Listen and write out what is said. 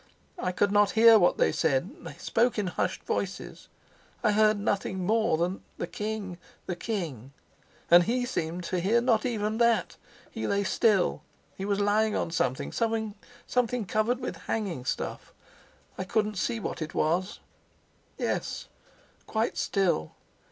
I could not hear what they said; they spoke in hushed voices. I heard nothing more than 'the king, the king,' and he seemed to hear not even that. He lay still; he was lying on something, something covered with hanging stuff, I couldn't see what it was; yes, quite still.